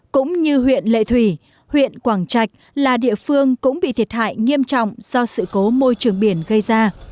cũng như huyện lệ thủy huyện quảng trạch là địa phương cũng bị thiệt hại nghiêm trọng do sự cố môi trường biển gây ra